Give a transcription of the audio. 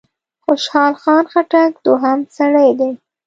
خوشحال خان خټک دوهم سړی دی.